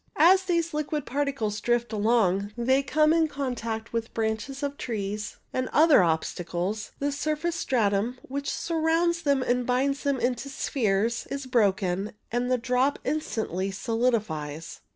As these liquid particles drift along they come in contact with branches of trees and other obstacles, the surface stratum which surrounds them and binds them into spheres is broken, and the drop instantly solidifies.